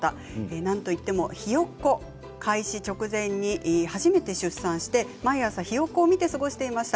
なんといっても「ひよっこ」開始直前に初めて出産して毎日「ひよっこ」を見て過ごしていました。